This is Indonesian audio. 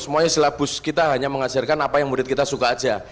semuanya silabus kita hanya mengajarkan apa yang murid kita suka aja